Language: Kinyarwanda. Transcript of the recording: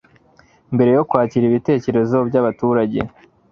mbere yo kwakira ibitekerezo by abaturage